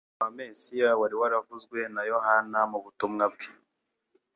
ukuza kwa Mesiya wari waravuzwe na Yohana mu butumwa bwe,